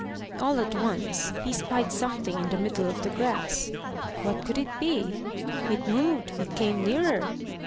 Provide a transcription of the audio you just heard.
All at once he spied something in the middle of the grass. What could it be? It moved; it came nearer.